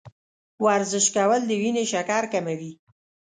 ورزش کول د وینې شکر کموي.